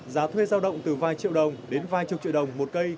giá thuê giao động từ vài triệu đồng đến vài chục triệu đồng một cây